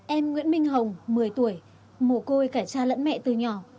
em nguyễn minh hồng một mươi tuổi mồ côi cả cha lẫn mẹ từ nhỏ